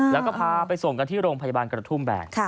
แล้วก็พาไปส่งกันที่โรงพยาบาลกระทุ่มแบน